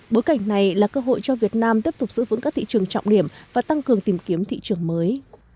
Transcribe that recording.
bối cảnh này là cơ hội cho việt nam tiếp tục giữ vững các thị trường trọng điểm và tăng cường tìm kiếm thị trường mới